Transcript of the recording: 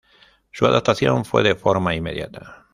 Su adaptación fue de forma inmediata.